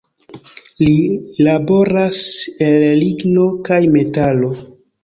Li laboras el ligno kaj metalo.